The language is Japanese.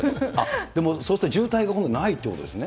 でもそうすると、渋滞がほとんどないということですね。